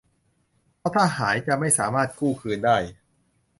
เพราะถ้าหายจะไม่สามารถกู้คืนได้